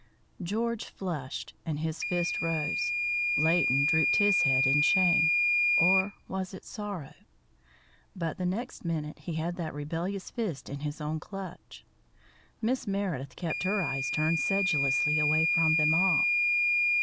George flushed, and his fist rose; Leighton drooped his head in shame or was it sorrow; but the next minute he had that rebellious fist in his own clutch. Miss Meredith kept her eyes turned sedulously away from them all.